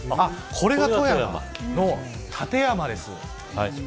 これが富山の立山です。